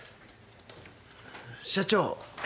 社長。